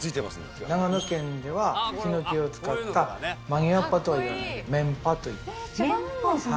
長野県ではヒノキを使った曲げわっぱとはいわないメンパといいます。